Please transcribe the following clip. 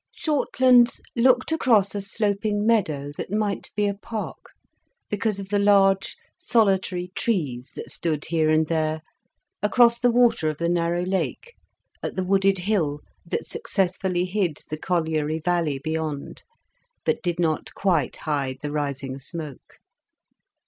Shortlands looked across a sloping meadow that might be a park, because of the large, solitary trees that stood here and there, across the water of the narrow lake, at the wooded hill that successfully hid the colliery valley beyond, but did not quite hide the rising smoke.